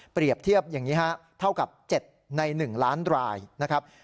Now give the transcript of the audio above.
เทียบอย่างนี้ฮะเท่ากับ๗ใน๑ล้านรายนะครับ